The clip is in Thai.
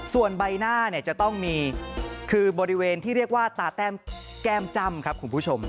ส่วนใบหน้าเนี่ยจะต้องมีคือบริเวณที่เรียกว่าตาแก้มจ้ำครับคุณผู้ชม